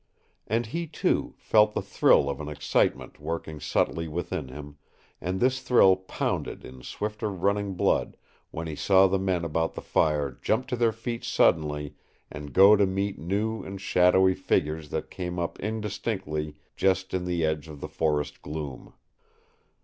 And he, too, felt the thrill of an excitement working subtly within him, and this thrill pounded in swifter running blood when he saw the men about the fire jump to their feet suddenly and go to meet new and shadowy figures that came up indistinctly just in the edge of the forest gloom.